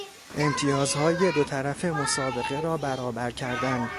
امتیازهای دو طرف مسابقه را برابر کردن